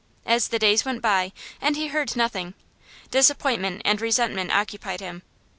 As the days went by and he heard nothing, disappointment and resentment occupied him.